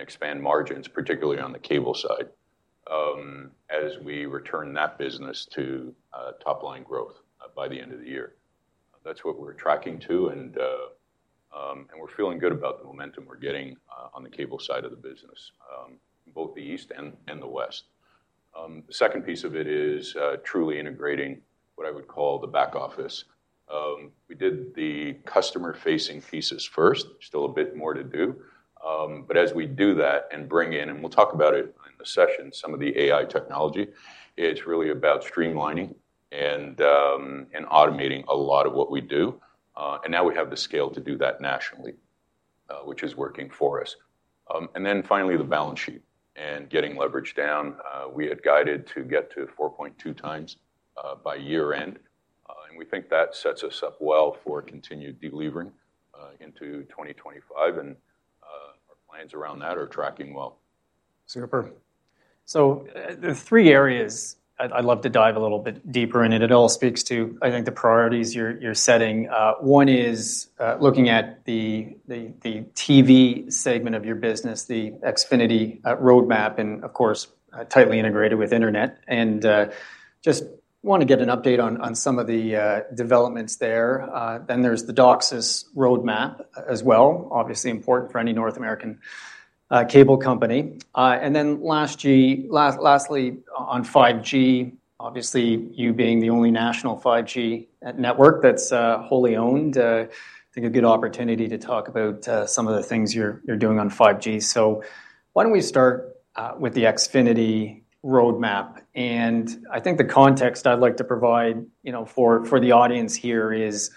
work and expand margins, particularly on the cable side, as we return that business to top-line growth by the end of the year. That's what we're tracking to, and we're feeling good about the momentum we're getting on the cable side of the business in both the East and the West. The second piece of it is truly integrating what I would call the back office. We did the customer-facing pieces first. Still a bit more to do. But as we do that and bring in, and we'll talk about it in the session, some of the AI technology, it's really about streamlining and automating a lot of what we do. And now we have the scale to do that nationally, which is working for us. And then finally, the balance sheet and getting leverage down, we had guided to get to 4.2 times by year-end, and we think that sets us up well for continued delevering into 2025, and our plans around that are tracking well. Superb. So, the three areas I'd love to dive a little bit deeper in it. It all speaks to, I think, the priorities you're setting. One is looking at the TV segment of your business, the Xfinity roadmap, and of course, tightly integrated with internet. And just want to get an update on some of the developments there. Then there's the DOCSIS roadmap as well. Obviously important for any North American cable company. And then lastly, on 5G, obviously, you being the only national 5G network that's wholly owned, think a good opportunity to talk about some of the things you're doing on 5G. So why don't we start with the Xfinity roadmap? I think the context I'd like to provide, you know, for the audience here is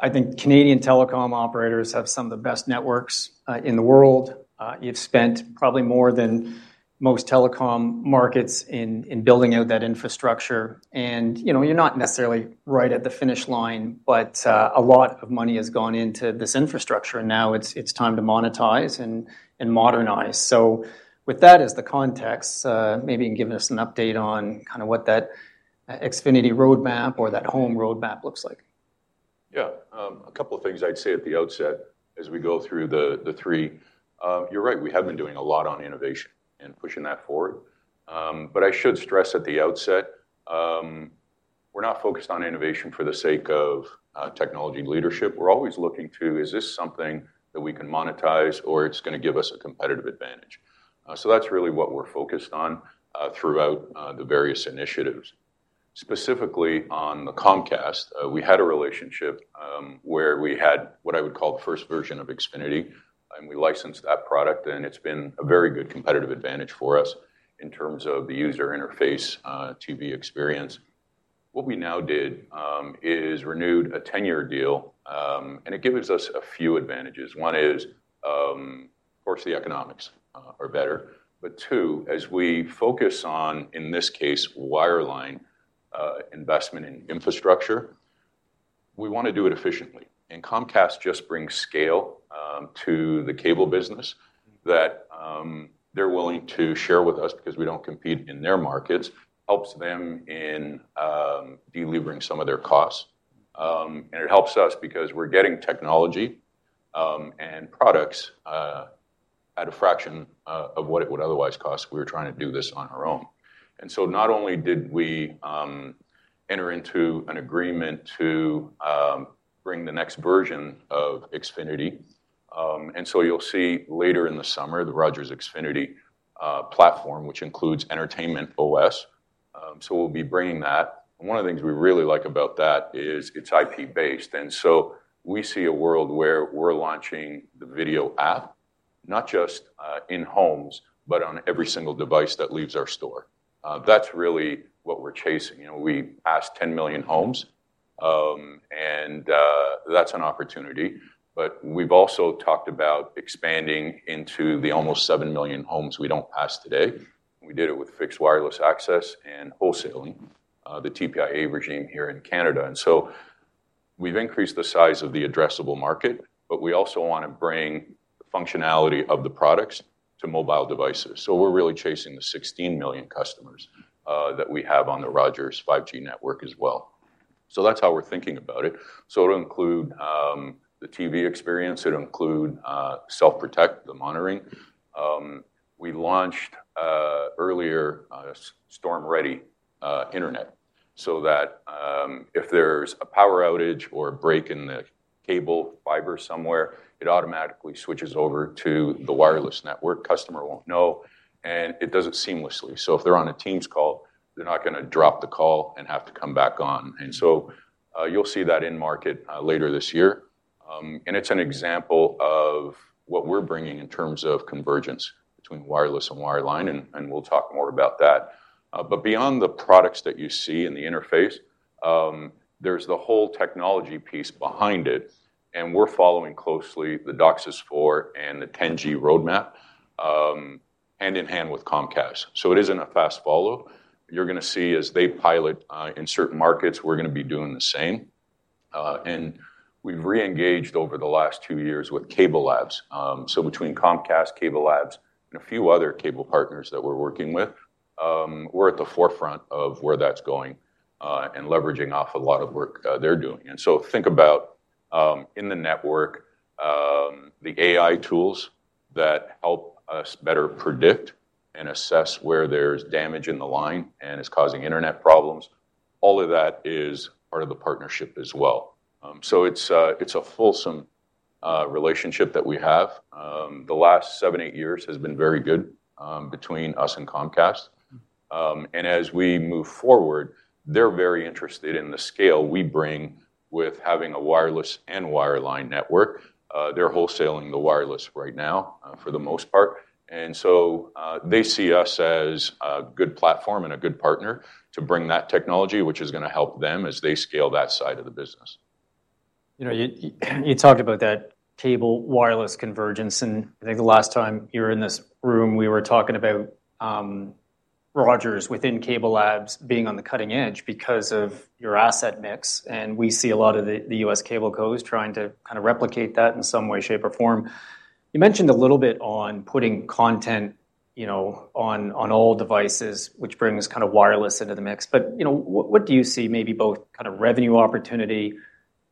I think Canadian telecom operators have some of the best networks in the world. You've spent probably more than most telecom markets in building out that infrastructure. You know, you're not necessarily right at the finish line, but a lot of money has gone into this infrastructure, and now it's time to monetize and modernize. With that as the context, maybe you can give us an update on kind of what that Xfinity roadmap or that home roadmap looks like. Yeah. A couple of things I'd say at the outset as we go through the three. You're right, we have been doing a lot on innovation and pushing that forward. But I should stress at the outset, we're not focused on innovation for the sake of technology and leadership. We're always looking to, is this something that we can monetize or it's gonna give us a competitive advantage? So that's really what we're focused on throughout the various initiatives. Specifically on the Comcast, we had a relationship where we had what I would call the first version of Xfinity, and we licensed that product, and it's been a very good competitive advantage for us in terms of the user interface, TV experience. What we now did is renewed a 10-year deal, and it gives us a few advantages. One is, of course, the economics are better, but two, as we focus on, in this case, wireline investment in infrastructure, we want to do it efficiently. And Comcast just brings scale to the cable business that they're willing to share with us because we don't compete in their markets, helps them in delivering some of their costs. And it helps us because we're getting technology and products at a fraction of what it would otherwise cost if we were trying to do this on our own. And so not only did we enter into an agreement to bring the next version of Xfinity, and so you'll see later in the summer, the Rogers Xfinity platform, which includes Entertainment OS. So we'll be bringing that. And one of the things we really like about that is it's IP-based, and so we see a world where we're launching the video app, not just in homes, but on every single device that leaves our store. That's really what we're chasing. You know, we passed 10 million homes, and that's an opportunity. But we've also talked about expanding into the almost 7 million homes we don't pass today. We did it with fixed wireless access and wholesaling the TPIA regime here in Canada. And so we've increased the size of the addressable market, but we also want to bring the functionality of the products to mobile devices. So we're really chasing the 16 million customers that we have on the Rogers 5G network as well. So that's how we're thinking about it. So it'll include the TV experience. It'll include Self Protect, the monitoring. We launched earlier Storm-Ready internet, so that if there's a power outage or a break in the cable fiber somewhere, it automatically switches over to the wireless network. Customer won't know, and it does it seamlessly. So if they're on a Teams call, they're not gonna drop the call and have to come back on. And so you'll see that in market later this year. It's an example of what we're bringing in terms of convergence between wireless and wireline, and we'll talk more about that. But beyond the products that you see in the interface, there's the whole technology piece behind it, and we're following closely the DOCSIS 4 and the 10G roadmap, hand in hand with Comcast. It isn't a fast follow. You're gonna see as they pilot in certain markets, we're gonna be doing the same. We've re-engaged over the last two years with CableLabs. Between Comcast, CableLabs, and a few other cable partners that we're working with, we're at the forefront of where that's going, and leveraging off a lot of work they're doing. And so think about, in the network, the AI tools that help us better predict and assess where there's damage in the line and is causing internet problems. All of that is part of the partnership as well. So it's, it's a fulsome, relationship that we have. The last 7, 8 years has been very good, between us and Comcast. And as we move forward, they're very interested in the scale we bring with having a wireless and wireline network. They're wholesaling the wireless right now, for the most part, and so, they see us as a good platform and a good partner to bring that technology, which is gonna help them as they scale that side of the business. You know, you talked about that cable wireless convergence, and I think the last time you were in this room, we were talking about Rogers within CableLabs being on the cutting edge because of your asset mix, and we see a lot of the US cablecos trying to kind of replicate that in some way, shape, or form. You mentioned a little bit on putting content, you know, on all devices, which brings kind of wireless into the mix. But, you know, what do you see maybe both kind of revenue opportunity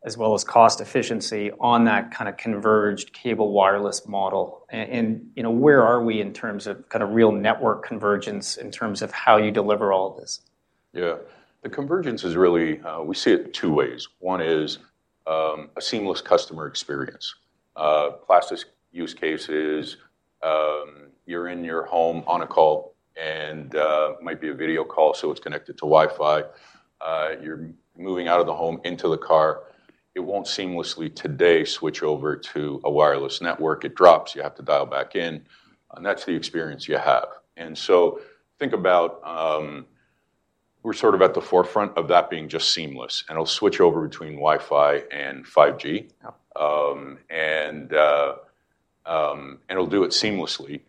as well as cost efficiency on that kind of converged cable wireless model? And, you know, where are we in terms of kind of real network convergence in terms of how you deliver all of this? Yeah. The convergence is really, we see it two ways. One is, a seamless customer experience. Classic use case is, you're in your home on a call, and, might be a video call, so it's connected to Wi-Fi. You're moving out of the home into the car. It won't seamlessly today switch over to a wireless network. It drops, you have to dial back in, and that's the experience you have. And so think about, we're sort of at the forefront of that being just seamless, and it'll switch over between Wi-Fi and 5G. Yeah. And it'll do it seamlessly,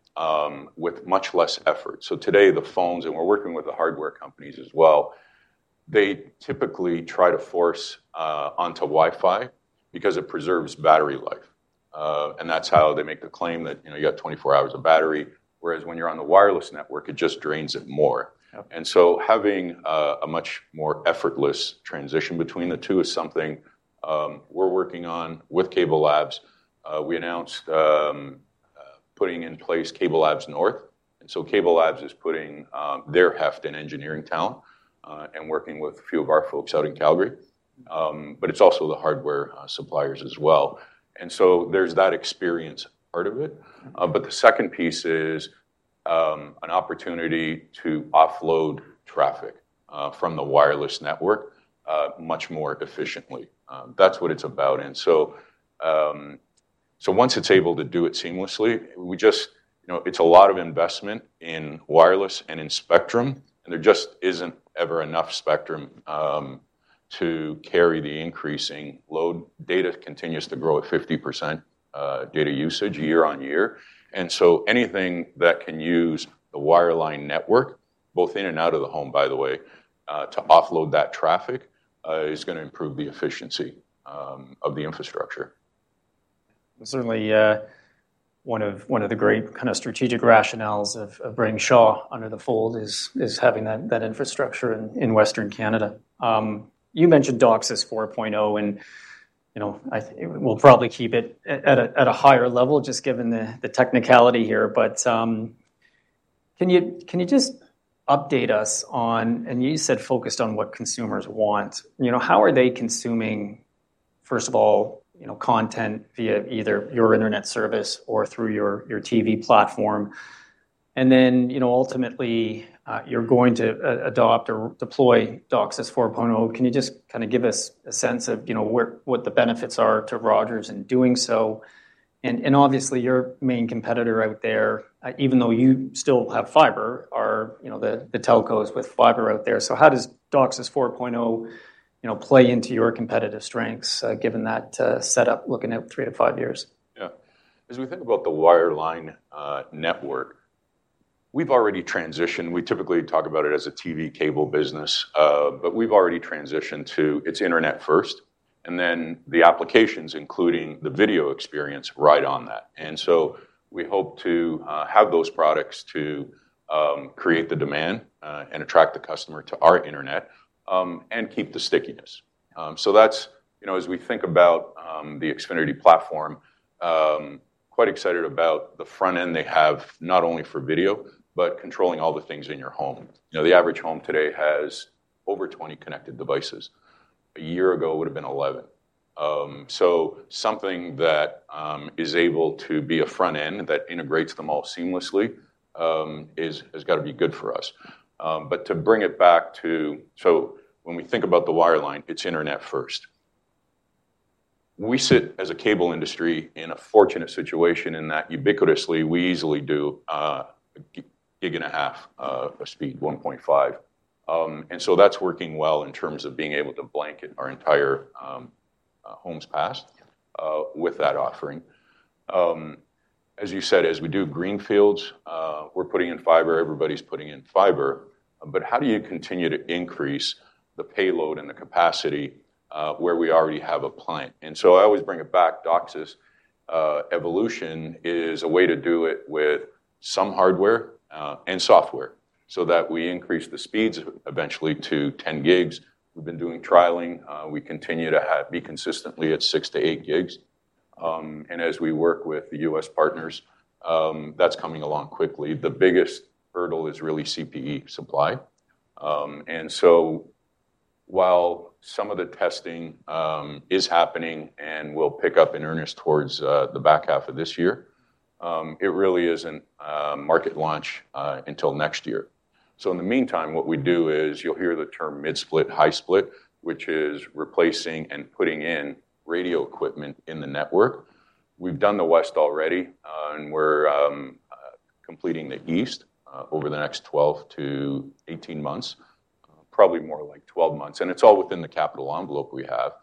with much less effort. So today, the phones, and we're working with the hardware companies as well, they typically try to force onto Wi-Fi because it preserves battery life. And that's how they make the claim that, you know, you got 24 hours of battery, whereas when you're on the wireless network, it just drains it more. Yeah. So having a much more effortless transition between the two is something we're working on with CableLabs. We announced putting in place CableLabs North, and so CableLabs is putting their heft and engineering talent and working with a few of our folks out in Calgary. But it's also the hardware suppliers as well. And so there's that experience part of it. But the second piece is, an opportunity to offload traffic, from the wireless network, much more efficiently. That's what it's about. And so, once it's able to do it seamlessly, we just... You know, it's a lot of investment in wireless and in spectrum, and there just isn't ever enough spectrum, to carry the increasing load. Data continues to grow at 50%, data usage year-over-year. And so anything that can use the wireline network, both in and out of the home, by the way, to offload that traffic, is gonna improve the efficiency, of the infrastructure. Certainly, one of the great kind of strategic rationales of bringing Shaw under the fold is having that infrastructure in Western Canada. You mentioned DOCSIS 4.0, and you know, I think we'll probably keep it at a higher level, just given the technicality here. But can you just update us on—and you said, focused on what consumers want. You know, how are they consuming, first of all, you know, content via either your internet service or through your TV platform? And then, you know, ultimately, you're going to adopt or deploy DOCSIS 4.0. Can you just kind of give us a sense of, you know, what the benefits are to Rogers in doing so? Obviously, your main competitor out there, even though you still have fiber, are, you know, the telcos with fiber out there. So how does DOCSIS 4.0, you know, play into your competitive strengths, given that setup, looking at 3-5 years? Yeah. As we think about the wireline network, we've already transitioned. We typically talk about it as a TV cable business, but we've already transitioned to its internet first, and then the applications, including the video experience, right on that. And so we hope to have those products to create the demand and attract the customer to our internet and keep the stickiness. So that's, you know, as we think about the Xfinity platform, quite excited about the front end they have not only for video, but controlling all the things in your home. You know, the average home today has over 20 connected devices. A year ago, it would've been 11. So something that is able to be a front end that integrates them all seamlessly is gonna be good for us. But to bring it back to... So when we think about the wireline, it's internet first. We sit as a cable industry in a fortunate situation in that ubiquitously, we easily do a gig and a half, a speed 1.5. And so that's working well in terms of being able to blanket our entire homes passed with that offering. As you said, as we do greenfields, we're putting in fiber, everybody's putting in fiber, but how do you continue to increase the payload and the capacity?... where we already have a client. And so I always bring it back. DOCSIS evolution is a way to do it with some hardware and software, so that we increase the speeds eventually to 10 gigs. We've been doing trialing, we continue to have be consistently at 6-8 gigs. And as we work with the US partners, that's coming along quickly. The biggest hurdle is really CPE supply. And so while some of the testing is happening and will pick up in earnest towards the back half of this year, it really isn't market launch until next year. So in the meantime, what we do is you'll hear the term mid-split, high-split, which is replacing and putting in radio equipment in the network. We've done the West already, and we're completing the East over the next 12-18 months, probably more like 12 months, and it's all within the capital envelope we have.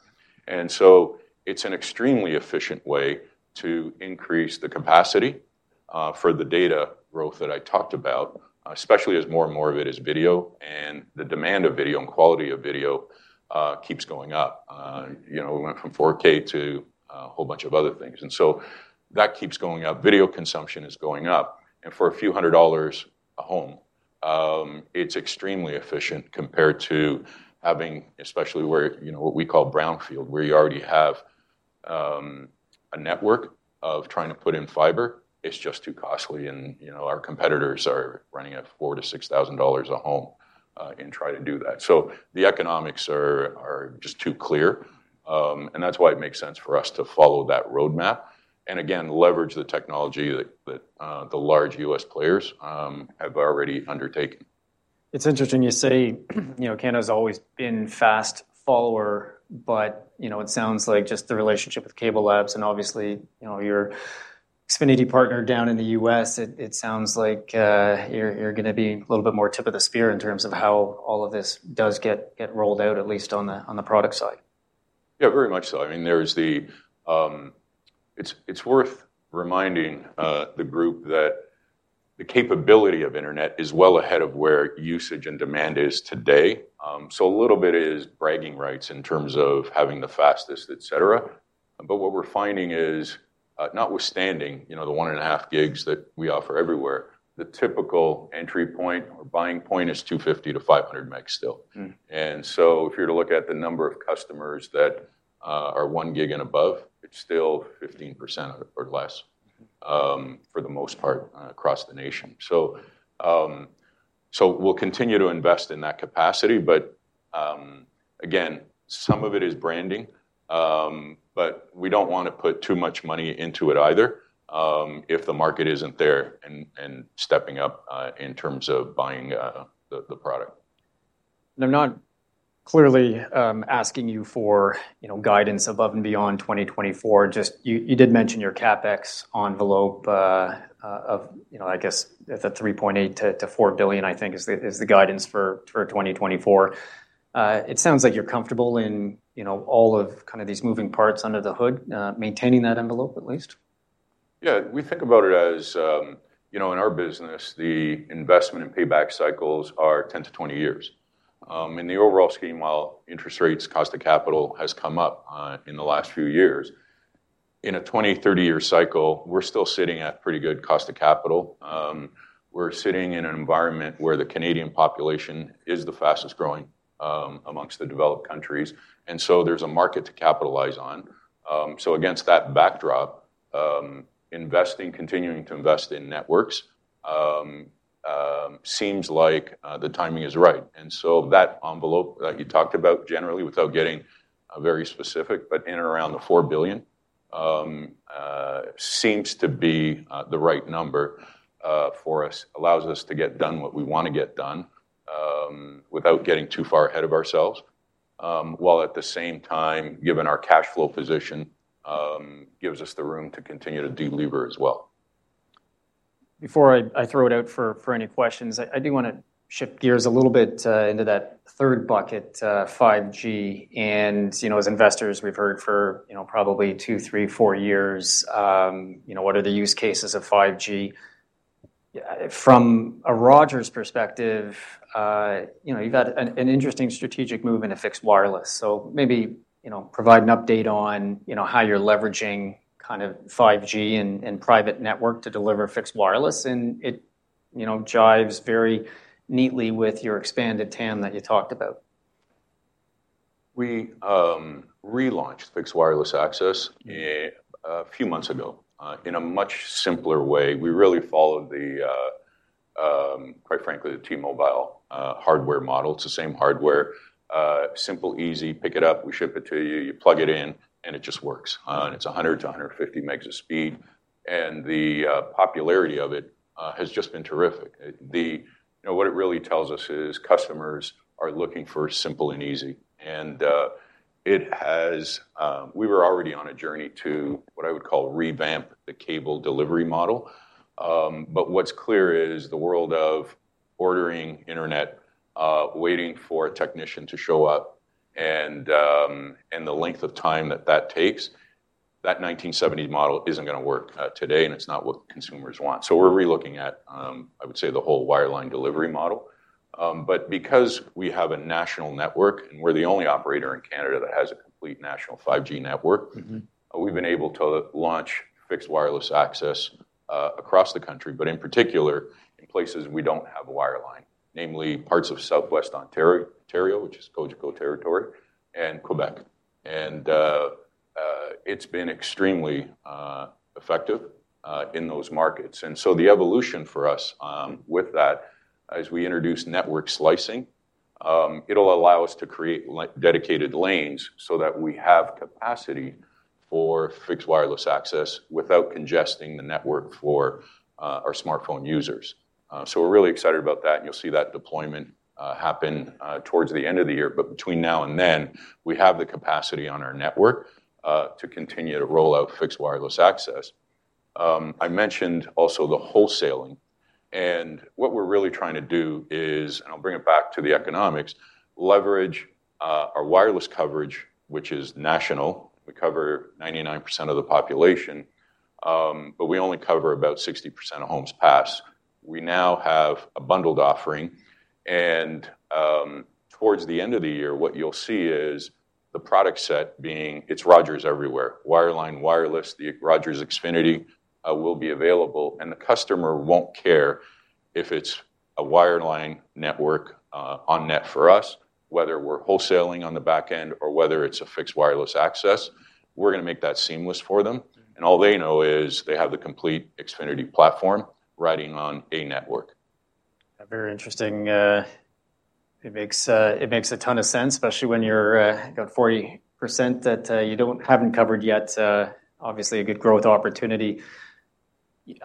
It's an extremely efficient way to increase the capacity for the data growth that I talked about, especially as more and more of it is video, and the demand of video and quality of video keeps going up. You know, we went from 4K to a whole bunch of other things, and so that keeps going up. Video consumption is going up, and for CAD a few hundred a home, it's extremely efficient compared to having, especially where, you know, what we call brownfield, where you already have a network of trying to put in fiber, it's just too costly, and, you know, our competitors are running at 4,000-6,000 dollars a home in trying to do that. So the economics are just too clear, and that's why it makes sense for us to follow that roadmap, and again, leverage the technology that the large U.S. players have already undertaken. It's interesting you say, you know, Canada's always been fast follower, but, you know, it sounds like just the relationship with CableLabs and obviously, you know, your Xfinity partner down in the U.S., it sounds like you're gonna be a little bit more tip of the spear in terms of how all of this does get rolled out, at least on the product side. Yeah, very much so. I mean, there is the, It's, it's worth reminding the group that the capability of internet is well ahead of where usage and demand is today. So a little bit is bragging rights in terms of having the fastest, etc. But what we're finding is, notwithstanding, you know, the 1.5 gigs that we offer everywhere, the typical entry point or buying point is 250-500 meg still. And so if you're to look at the number of customers that are 1 gig and above, it's still 15% or less for the most part across the nation. So we'll continue to invest in that capacity, but again, some of it is branding, but we don't want to put too much money into it either, if the market isn't there and stepping up in terms of buying the product. I'm not clearly asking you for, you know, guidance above and beyond 2024. Just... You did mention your CapEx envelope of, you know, I guess the 3.8 billion-4 billion, I think is the guidance for 2024. It sounds like you're comfortable in, you know, all of kind of these moving parts under the hood, maintaining that envelope, at least? Yeah, we think about it as, you know, in our business, the investment and payback cycles are 10-20 years. In the overall scheme, while interest rates, cost of capital, has come up, in the last few years, in a 20-30-year cycle, we're still sitting at pretty good cost of capital. We're sitting in an environment where the Canadian population is the fastest growing, amongst the developed countries, and so there's a market to capitalize on. So against that backdrop, investing, continuing to invest in networks, seems like, the timing is right. And so that envelope that you talked about generally, without getting, very specific, but in and around 4 billion, seems to be, the right number, for us. Allows us to get done what we want to get done, without getting too far ahead of ourselves, while at the same time, given our cash flow position, gives us the room to continue to delever as well. Before I throw it out for any questions, I do wanna shift gears a little bit into that third bucket, 5G. You know, as investors, we've heard for, you know, probably two, three, four years, you know, what are the use cases of 5G? From a Rogers perspective, you know, you've had an interesting strategic move in a fixed wireless. So maybe, you know, provide an update on, you know, how you're leveraging kind of 5G and private network to deliver fixed wireless, and it, you know, jives very neatly with your expanded TAM that you talked about. We relaunched fixed wireless access a few months ago in a much simpler way. We really followed, quite frankly, the T-Mobile hardware model. It's the same hardware, simple, easy, pick it up, we ship it to you, you plug it in, and it just works. And it's 100-150 megs of speed, and the popularity of it has just been terrific. What it really tells us is customers are looking for simple and easy, and it has, we were already on a journey to what I would call revamp the cable delivery model. But what's clear is the world of ordering internet, waiting for a technician to show up, and the length of time that that takes... that 1970s model isn't gonna work, today, and it's not what consumers want. So we're relooking at, I would say, the whole wireline delivery model. But because we have a national network, and we're the only operator in Canada that has a complete national 5G network- We've been able to launch fixed wireless access across the country, but in particular, in places we don't have a wireline, namely parts of Southwest Ontario, which is Cogeco territory, and Quebec. It's been extremely effective in those markets. So the evolution for us with that, as we introduce network slicing, it'll allow us to create like dedicated lanes so that we have capacity for fixed wireless access without congesting the network for our smartphone users. So we're really excited about that, and you'll see that deployment happen towards the end of the year. But between now and then, we have the capacity on our network to continue to roll out fixed wireless access. I mentioned also the wholesaling, and what we're really trying to do is, and I'll bring it back to the economics, leverage our wireless coverage, which is national. We cover 99% of the population, but we only cover about 60% of homes passed. We now have a bundled offering, and towards the end of the year, what you'll see is the product set being: it's Rogers Everywhere, wireline, wireless, the Rogers Xfinity will be available, and the customer won't care if it's a wireline network on net for us, whether we're wholesaling on the back end or whether it's a fixed wireless access. We're gonna make that seamless for them, and all they know is they have the complete Xfinity platform riding on a network. Very interesting. It makes a ton of sense, especially when you've got 40% that you haven't covered yet, obviously a good growth opportunity.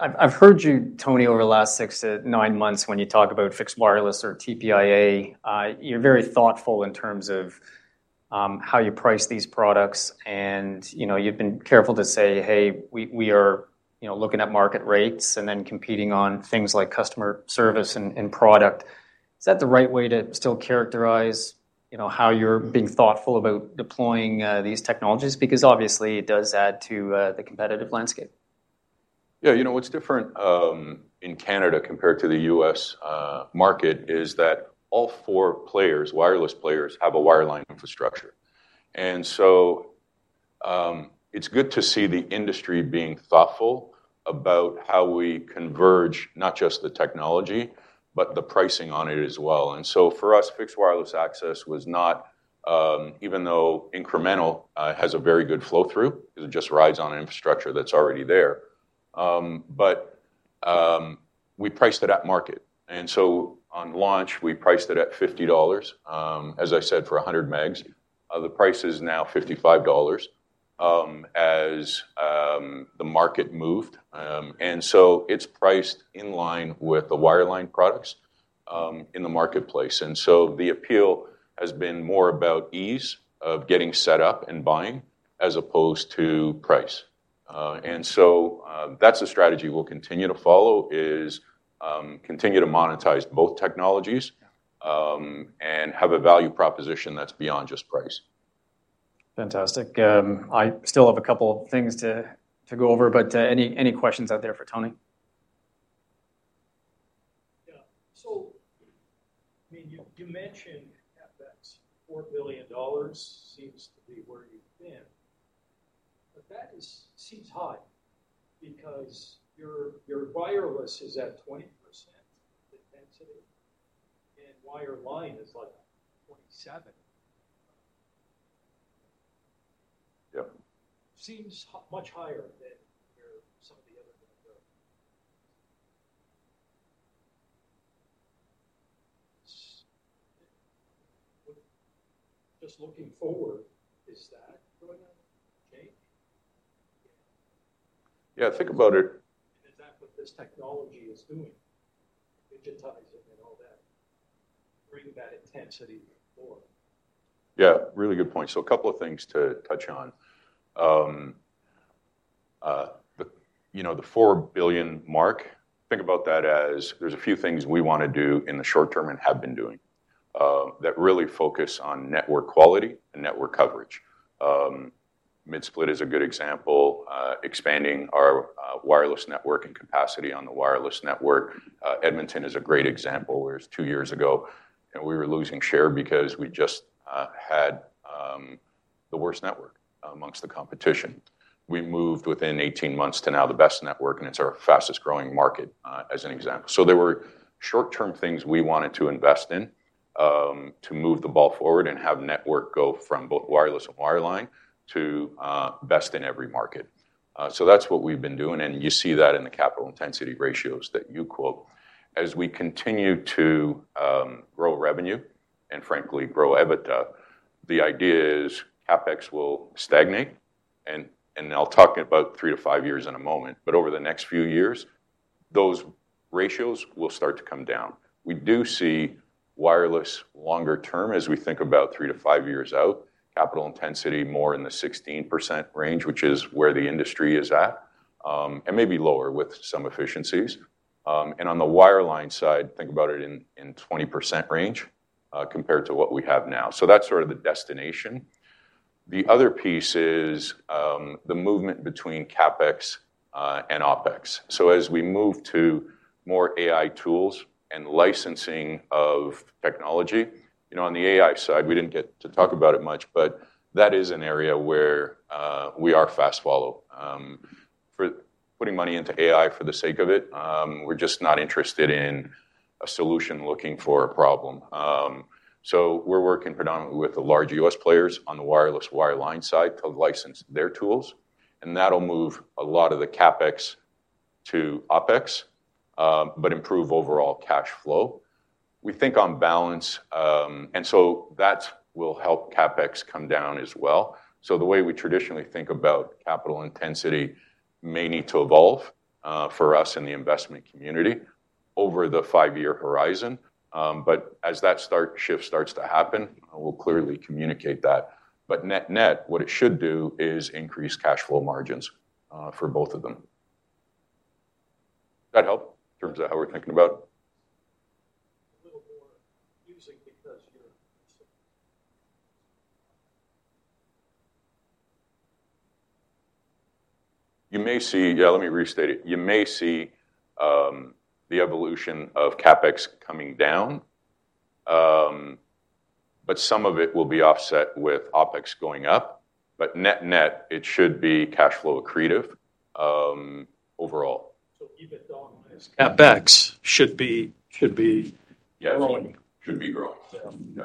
I've heard you, Tony, over the last 6-9 months, when you talk about fixed wireless or TPIA, you're very thoughtful in terms of how you price these products. And, you know, you've been careful to say, "Hey, we are, you know, looking at market rates and then competing on things like customer service and product." Is that the right way to still characterize, you know, how you're being thoughtful about deploying these technologies? Because obviously, it does add to the competitive landscape. Yeah, you know, what's different in Canada compared to the U.S. market is that all four players, wireless players, have a wireline infrastructure. And so it's good to see the industry being thoughtful about how we converge not just the technology, but the pricing on it as well. And so for us, fixed wireless access was not, even though incremental, has a very good flow-through, it just rides on infrastructure that's already there. But we priced it at market, and so on launch, we priced it at 50 dollars, as I said, for 100 megs. The price is now 55 dollars, as the market moved. And so it's priced in line with the wireline products in the marketplace. And so the appeal has been more about ease of getting set up and buying as opposed to price. And so, that's a strategy we'll continue to follow, is, continue to monetize both technologies- Yeah. have a value proposition that's beyond just price. Fantastic. I still have a couple of things to go over, but any questions out there for Tony? Yeah. So, I mean, you mentioned that 4 billion dollars seems to be where you've been, but that seems high because your wireless is at 20% intensity, and wireline is like 27%. Yep. Seems much higher than where some of the other guys are. So, just looking forward, is that gonna change? Yeah, think about it- Is that what this technology is doing, digitizing and all that, bringing that intensity forward? Yeah, really good point. So a couple of things to touch on. You know, the 4 billion mark, think about that as there's a few things we wanna do in the short term and have been doing that really focus on network quality and network coverage. Mid-split is a good example, expanding our wireless network and capacity on the wireless network. Edmonton is a great example, where two years ago we were losing share because we just had the worst network amongst the competition. We moved within 18 months to now the best network, and it's our fastest-growing market, as an example. So there were short-term things we wanted to invest in to move the ball forward and have network go from both wireless and wireline to best in every market. So that's what we've been doing, and you see that in the capital intensity ratios that you quote. As we continue to grow revenue and frankly, grow EBITDA, the idea is CapEx will stagnate, and I'll talk about three to five years in a moment, but over the next few years, those ratios will start to come down. We do see wireless longer term as we think about three to five years out, capital intensity more in the 16% range, which is where the industry is at, and maybe lower with some efficiencies. And on the wireline side, think about it in the 20% range, compared to what we have now. So that's sort of the destination. The other piece is the movement between CapEx and OpEx. So as we move to more AI tools and licensing of technology, you know, on the AI side, we didn't get to talk about it much, but that is an area where we are fast follow. For putting money into AI for the sake of it, we're just not interested in a solution looking for a problem. So we're working predominantly with the large U.S. players on the wireless wireline side to license their tools, and that'll move a lot of the CapEx to OpEx, but improve overall cash flow. We think on balance, and so that will help CapEx come down as well. So the way we traditionally think about capital intensity may need to evolve for us in the investment community over the five-year horizon. But as that shift starts to happen, we'll clearly communicate that. Net-net, what it should do is increase cash flow margins for both of them. Does that help in terms of how we're thinking about? A little more music, because you're- You may see... Yeah, let me restate it. You may see, the evolution of CapEx coming down, but some of it will be offset with OpEx going up. But net-net, it should be cash flow accretive, overall. So EBITDA- CapEx should be growing. Should be growing. Yeah.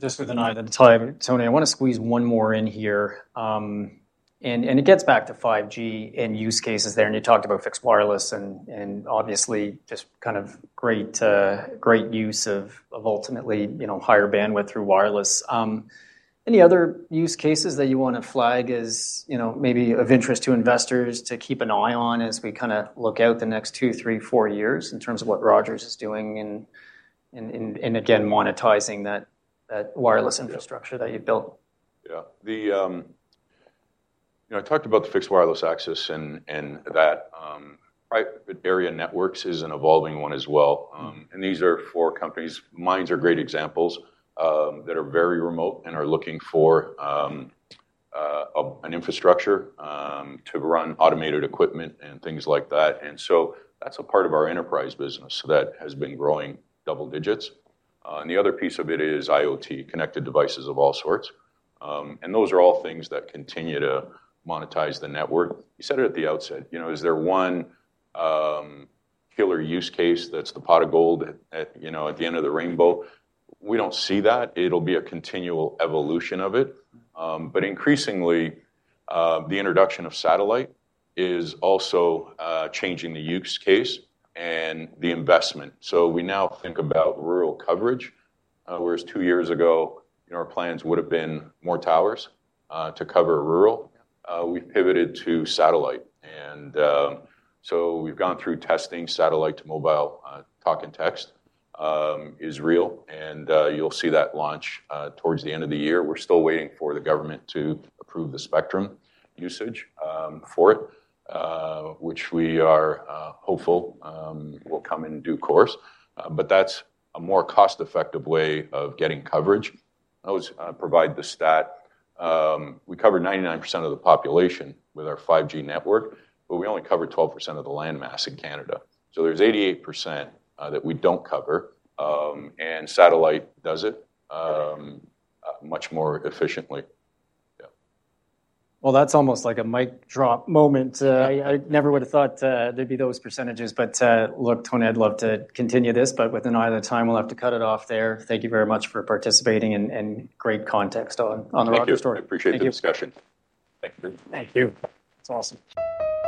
Just with an eye on the time, Tony, I want to squeeze one more in here. And it gets back to 5G and use cases there, and you talked about fixed wireless and obviously just kind of great, great use of ultimately, you know, higher bandwidth through wireless. Any other use cases that you want to flag as, you know, maybe of interest to investors to keep an eye on as we kinda look out the next two, three, four years in terms of what Rogers is doing and again, monetizing that wireless infrastructure that you built? Yeah. You know, I talked about the fixed wireless access and that private area networks is an evolving one as well. And these are for companies. Mines are great examples that are very remote and are looking for an infrastructure to run automated equipment and things like that. And so that's a part of our enterprise business that has been growing double digits. And the other piece of it is IoT, connected devices of all sorts. And those are all things that continue to monetize the network. You said it at the outset, you know, is there one killer use case that's the pot of gold at, you know, at the end of the rainbow? We don't see that. It'll be a continual evolution of it. But increasingly, the introduction of satellite is also changing the use case and the investment. So we now think about rural coverage, whereas two years ago, you know, our plans would have been more towers to cover rural. We've pivoted to satellite. And so we've gone through testing satellite to mobile, talk and text is real, and you'll see that launch towards the end of the year. We're still waiting for the government to approve the spectrum usage for it, which we are hopeful will come in due course. But that's a more cost-effective way of getting coverage. I always provide the stat. We cover 99% of the population with our 5G network, but we only cover 12% of the landmass in Canada. So there's 88% that we don't cover, and satellite does it much more efficiently. Yeah. Well, that's almost like a mic drop moment. I never would have thought there'd be those percentages. But look, Tony, I'd love to continue this, but with an eye on the time, we'll have to cut it off there. Thank you very much for participating and great context on the Rogers story. Thank you. I appreciate the discussion. Thank you. Thank you. It's awesome.